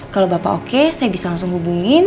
kalau bapak oke saya bisa langsung hubungin